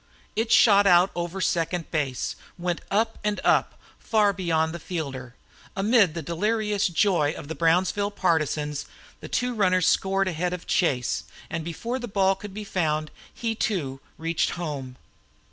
It shot out over second base, went up and up, far beyond the fielder. Amid the delirious joy of the Brownsville partisans the two runners scored ahead of Chase, and before the ball could be found he too reached home.